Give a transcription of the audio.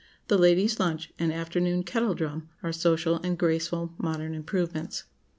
The "Ladies' Lunch" and afternoon "Kettle Drum" are social and graceful "modern improvements."